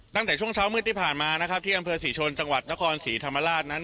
ตั้งแต่ช่วงเช้ามืดที่ผ่านมานะครับที่อำเภอศรีชนจังหวัดนครศรีธรรมราชนั้น